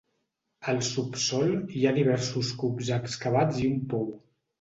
Al subsòl hi ha diversos cups excavats i un pou.